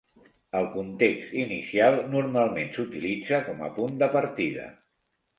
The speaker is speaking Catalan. El context inicial normalment s'utilitza com a punt de partida.